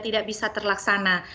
tidak bisa terlaksana